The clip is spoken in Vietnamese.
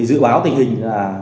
dự báo tình hình